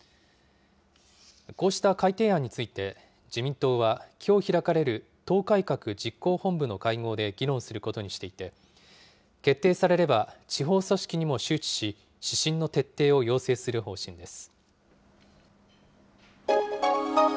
こうした改定案について、自民党はきょう開かれる党改革実行本部の会合で議論することにしていて、決定されれば、地方組織にも周知し、指針の徹底を要請する方針です。